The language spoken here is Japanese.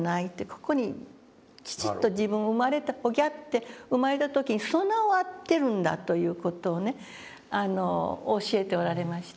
ここにきちっと自分が生まれたオギャッと生まれた時に備わってるんだという事をね教えておられました。